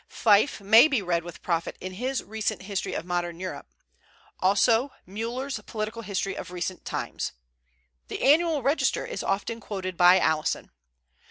Fyffe may be read with profit in his recent history of Modern Europe; also Müller's Political History of Recent Times. The Annual Register is often quoted by Alison.